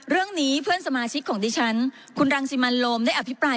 เรื่องนี้เพื่อนสมาชิกของดิฉันคุณรังสิมันโลมได้อภิปราย